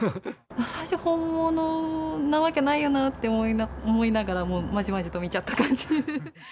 最初、本物なわけないよなって思いながらも、まじまじと見ちゃった感じ。